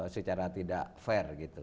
secara tidak fair gitu